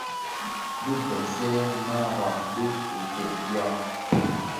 Bi bësè ñaran bum binted byan?